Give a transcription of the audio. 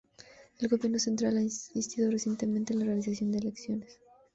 El gobierno central ha insistido recientemente en la realización de elecciones.